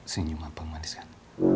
senyum abang manis kan